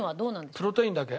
プロテインだけ。